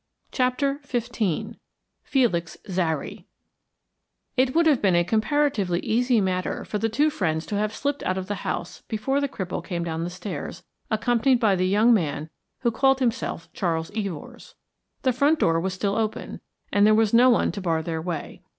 CHAPTER XV FELIX ZARY It would have been a comparatively easy matter for the two friends to have slipped out of the house before the cripple came down the stairs accompanied by the young man who called himself Charles Evors. The front door was still open, and there was no one to bar their way.